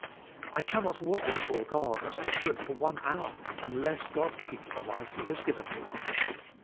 I cannot walk before God as I should for one hour, unless God keep the life lie has given me."